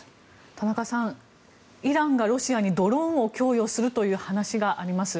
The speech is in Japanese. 田中さんイランがロシアにドローンを供与するという話があります。